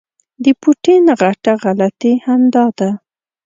د پوټین غټه غلطي همدا ده.